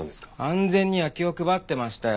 安全には気を配ってましたよ。